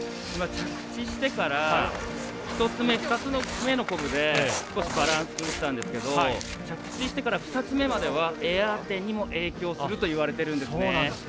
着地してから１つ目、２つ目のコブで少しバランス崩したんですけど着地してから２つ目まではエア点にも影響するといわれているんですね。